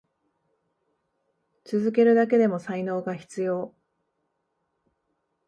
続けるだけでも才能が必要。